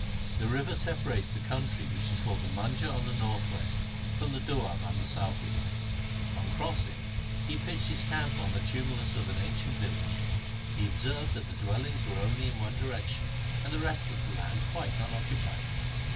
The river separates the country which is called the Manjha on the north west from the Doab on the south east. On crossing he pitched his camp on the tumulus of an ancient village. He observed that the dwellings were only in one direction, and the rest of the land quite unoccupied.